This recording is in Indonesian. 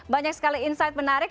banyak sekali insight menarik